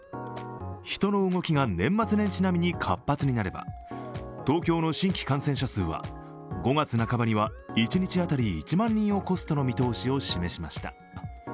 人の動きが年末年始並みに活発になれば、東京の新規感染者数は５月半ばには一日当たり１万人を超すとの見通しを示しました。